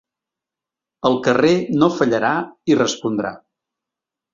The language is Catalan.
El carrer no fallarà i respondrà.